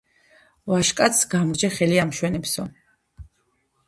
ვაჟკაცს გამრჯე ხელი ამშვენებსო